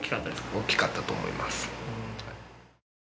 大きかったと思います。